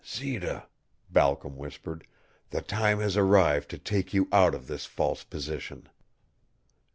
"Zita," Balcom whispered, "the time has arrived to take you out of this false position."